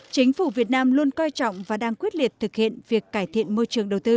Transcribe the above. chính phủ việt nam luôn coi trọng và đang quyết liệt thực hiện việc cải thiện môi trường đầu tư